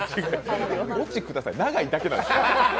オチください、長いだけなんです。